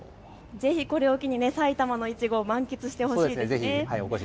これを機に埼玉のいちごを満喫してほしいですね。